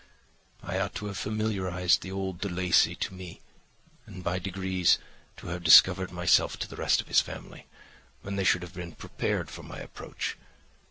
I ought to have familiarised the old De Lacey to me, and by degrees to have discovered myself to the rest of his family, when they should have been prepared for my approach.